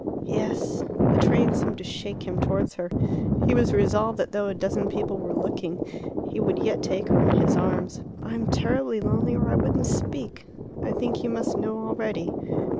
"Yes." The train seemed to shake him towards her. He was resolved that though a dozen people were looking, he would yet take her in his arms. "I'm terribly lonely, or I wouldn't speak. I think you must know already."